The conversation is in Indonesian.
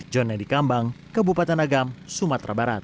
john nedy kambang kebupatan agam sumatera barat